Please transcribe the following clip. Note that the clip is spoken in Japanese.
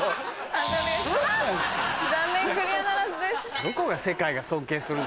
残念残念クリアならずです。